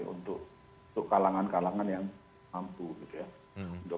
untuk kalangan kalangan yang mampu gitu ya